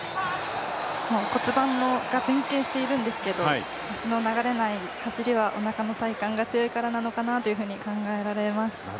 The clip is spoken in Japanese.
骨盤が前傾しているんですけど、足の流れない走りはおなかの体幹が強いからなのかなと考えられます。